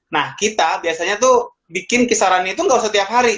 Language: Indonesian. nah kita biasanya tuh bikin kisaran itu gak usah tiap hari